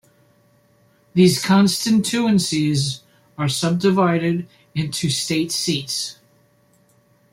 These constituencies are subdivided into state seats.